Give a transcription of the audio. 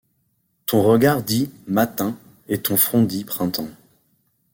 Ton regard dit : Matin, et ton front dit : Printemps.